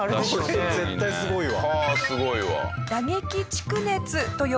これ絶対すごいわ。